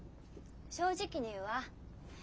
正直に言うわ。